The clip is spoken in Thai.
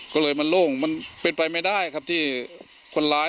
ก็เลยมันโล่งมันเป็นไปไม่ได้ครับที่คนร้าย